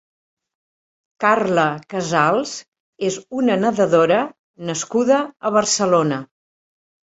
Carla Casals és una nedadora nascuda a Barcelona.